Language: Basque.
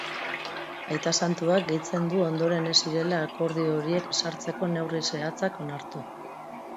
Aita santuak gehitzen du ondoren ez zirela akordio horiek ezartzeko neurri zehatzak onartu.